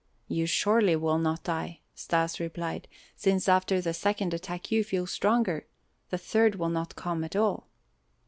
"You surely will not die," Stas replied; "since after the second attack you feel stronger, the third will not come at all."